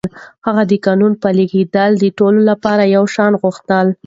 هغه د قانون پلي کېدل د ټولو لپاره يو شان غوښتل.